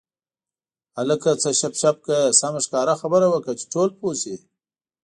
هلکه څه شپ شپ کوې سمه ښکاره خبره وکړه چې ټول پوه شي.